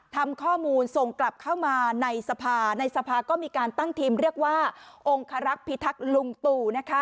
ทำข้อมูลส่งกลับเข้ามาในสภาในสภาก็มีการตั้งทีมเรียกว่าองคารักษ์พิทักษ์ลุงตู่